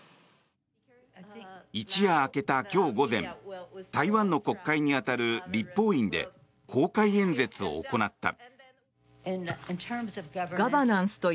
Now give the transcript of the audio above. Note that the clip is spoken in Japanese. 一夜明けた今日午前台湾の国会に当たる立法院で公開演説を行った。